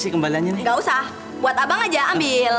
nggak usah buat abang aja ambil